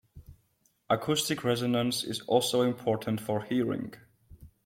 Acoustic resonance is also important for hearing.